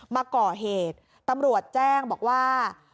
มาก่อเหตุตำรวจแจ้งบอกว่า